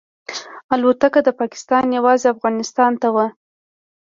الوتکه د پاکستان یوازې افغانستان ته وه.